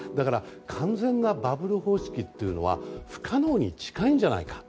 完全なバブル方式は不可能に近いんじゃないかと。